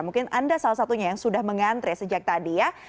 mungkin anda salah satunya yang sudah mengantre sejak tadi ya